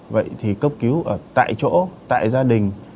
vậy thì cốc cứu tại chỗ tại gia đình